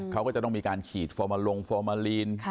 เขาก็จะต้องมีการฉีดฟอร์มาลงฟอร์มาลีน